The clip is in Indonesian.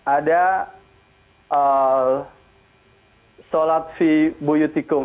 ada sholat fi buyutikum